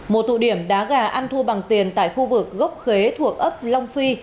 một thụ điểm đá gà ăn thu bằng tiền tại khu vực gốc khế thuộc ấp long phi